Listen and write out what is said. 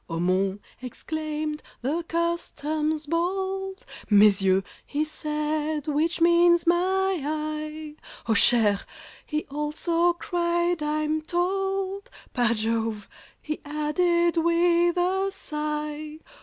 "Oh, mon!" exclaimed the Customs bold, "Mes yeux!" he said (which means "my eye") "Oh, chère!" he also cried, I'm told, "Par Jove," he added, with a sigh.